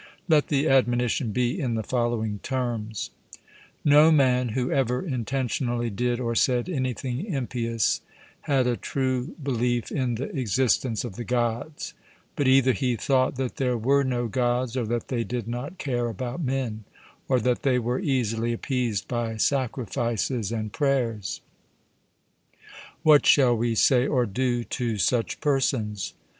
Let the admonition be in the following terms: No man who ever intentionally did or said anything impious, had a true belief in the existence of the Gods; but either he thought that there were no Gods, or that they did not care about men, or that they were easily appeased by sacrifices and prayers. 'What shall we say or do to such persons?'